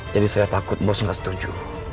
jadi saya takut bos gak setuju